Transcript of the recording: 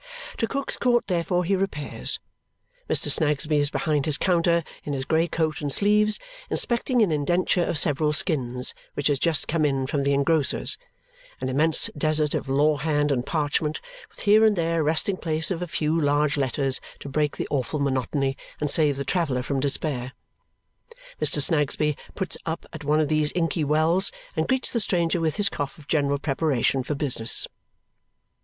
To Cook's Court, therefore, he repairs. Mr. Snagsby is behind his counter in his grey coat and sleeves, inspecting an indenture of several skins which has just come in from the engrosser's, an immense desert of law hand and parchment, with here and there a resting place of a few large letters to break the awful monotony and save the traveller from despair. Mr Snagsby puts up at one of these inky wells and greets the stranger with his cough of general preparation for business.